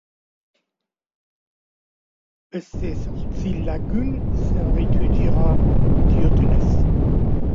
Beste zortzi lagun zauritu dira.